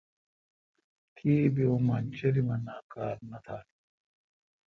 کیبی اما چریم انا کار نہ تال۔